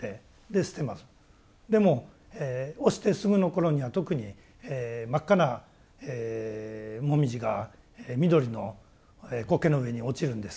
でも落ちてすぐの頃には特に真っ赤な紅葉が緑の苔の上に落ちるんですから非常にきれい。